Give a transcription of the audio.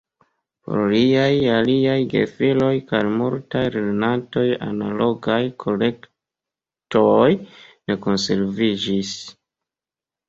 Por liaj aliaj gefiloj kaj multaj lernantoj analogaj kolektoj ne konserviĝis.